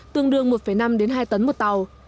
tương đương một năm hai tấn một tàu